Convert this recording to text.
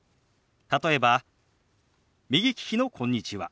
例えば右利きの「こんにちは」。